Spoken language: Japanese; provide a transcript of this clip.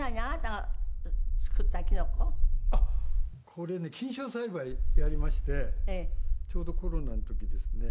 あっこれね菌床栽培やりましてちょうどコロナの時ですね。